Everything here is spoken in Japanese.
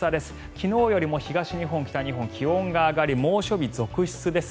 昨日よりも東日本、北日本気温が上がり猛暑日続出です。